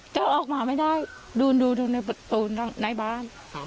ตัวออกมาไม่ได้ดูในพูดตูนในบาน